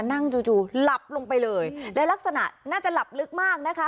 จู่จู่หลับลงไปเลยและลักษณะน่าจะหลับลึกมากนะคะ